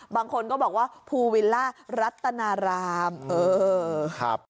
บางคนก็บอกว่าภูวิลล่ารัตนารามเออครับ